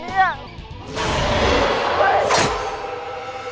ไหนวะเนี่ย